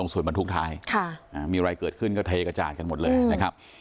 ส่วนบรรทุกท้ายมีอะไรเกิดขึ้นก็เทกระจาดกันหมดเลยนะครับ